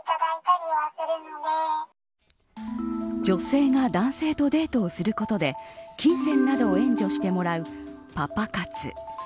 女性が男性とデートをすることで金銭などを援助してもらうパパ活。